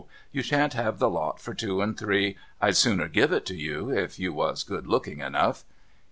You shan't have the lot for two and three. I'd sooner give it to you, if you was good looking enough.